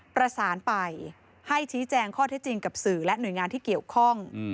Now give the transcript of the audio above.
ประสานไปให้ชี้แจงข้อเท็จจริงกับสื่อและหน่วยงานที่เกี่ยวข้อง